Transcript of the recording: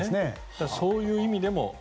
そういう意味でも。